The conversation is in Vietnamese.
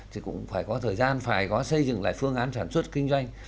thì cũng phải có thời gian phải có xây dựng lại phương án sản xuất kinh doanh